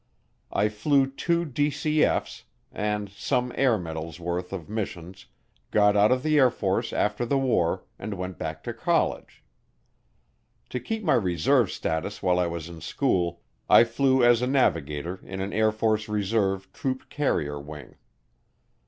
I flew two DCF's, and some Air Medals' worth of missions, got out of the Air Force after the war, and went back to college. To keep my reserve status while I was in school, I flew as a navigator in an Air Force Reserve Troop Carrier Wing.